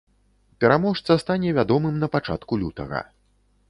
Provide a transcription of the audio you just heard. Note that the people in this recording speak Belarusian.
Пераможца стане вядомым на пачатку лютага.